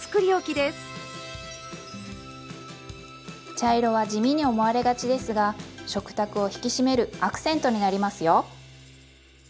茶色は地味に思われがちですが食卓を引き締めるアクセントになりますよ。